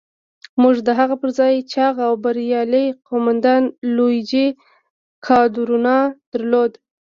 موږ د هغه پر ځای چاغ او بریالی قوماندان لويجي کادورنا درلود.